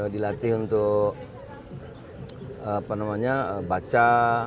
dilatih untuk baca